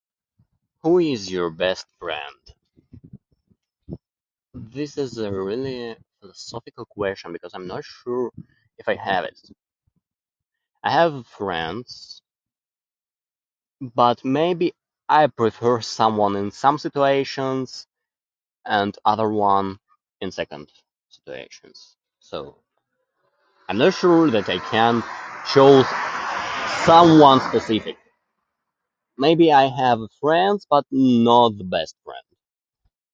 Who is your best friend? This is a really philosophical question, because I'm not sure if I have it. I have friends, but maybe I prefer someone in some situations, and other one in second situations. So, I'm not sure that I can show someone specific. Maybe I have friends, but not best friend.